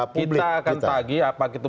publik kita akan tagi apakah itu